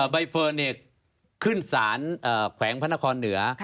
ใบเฟิร์นขึ้นสารแขวงพระนครเหนือ